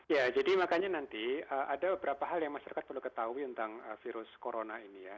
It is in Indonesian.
ya jadi makanya nanti ada beberapa hal yang masyarakat perlu ketahui tentang virus corona ini ya